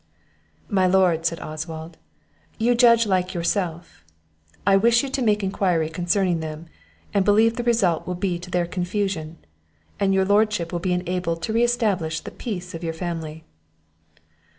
"My lord," said Oswald, "you judge like yourself; I wish you to make enquiry concerning them, and believe the result will be to their confusion, and your Lordship will be enabled to re establish the peace of your family."